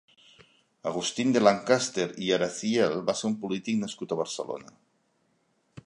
Agustín de Lancaster i Araciel va ser un polític nascut a Barcelona.